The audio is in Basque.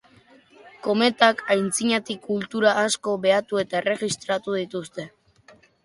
Kometak antzinatik kultura askok behatu eta erregistratu dituzte.